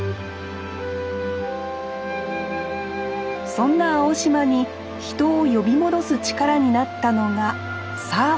そんな青島に人を呼び戻す力になったのがサーフィン。